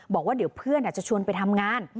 บอกว่าเดี๋ยวเพื่อนอาจจะชวนไปทำงาน